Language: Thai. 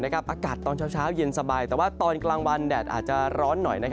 อากาศตอนเช้าเย็นสบายแต่ว่าตอนกลางวันแดดอาจจะร้อนหน่อย